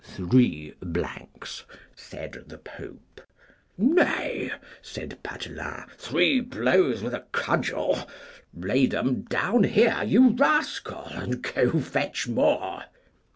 Three blanks, said the Pope. Nay, said Pathelin, three blows with a cudgel. Lay them down here, you rascal, and go fetch more.